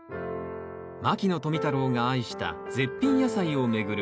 牧野富太郎が愛した絶品野菜を巡る